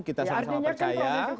kita sama sama percaya